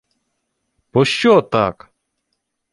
— Пощо так?